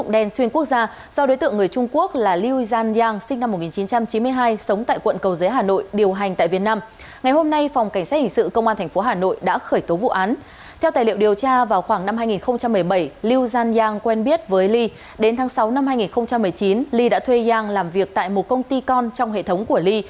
đến tháng sáu năm hai nghìn một mươi chín ly đã thuê yang làm việc tại một công ty con trong hệ thống của ly